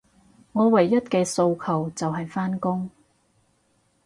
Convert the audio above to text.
我唯一嘅訴求，就係返工